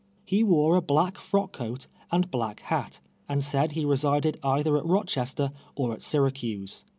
He wore a black frock coat and black hat, and said he resided either at Rochester or at Syracuse.